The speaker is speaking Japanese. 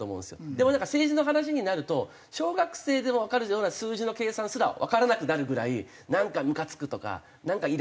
でも政治の話になると小学生でもわかるような数字の計算すらわからなくなるぐらいなんかムカつくとかなんかイラッとするみたいな。